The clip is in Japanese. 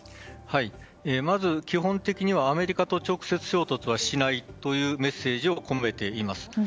まず、基本的にはアメリカと直接衝突はしないというメッセージを込めています。